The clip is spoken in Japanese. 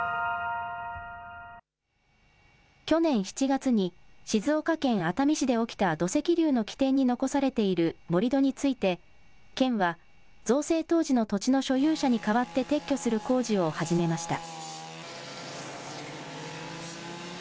去年７月に、静岡県熱海市で起きた土石流の起点に残されている盛り土について、県は、造成当時の土地の所有者に代わって撤去する工事を始めました。